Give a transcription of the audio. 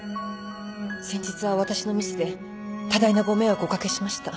先日は私のミスで多大なご迷惑をおかけしました。